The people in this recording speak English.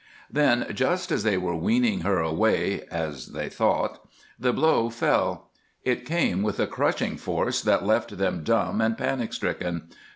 Then, just as they were weaning her away, as they thought, the blow fell. It came with a crushing force that left them dumb and panic stricken.